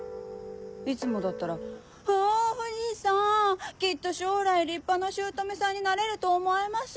いつもだったら「う！藤さんきっと将来立派な姑さんになれると思いますぅ！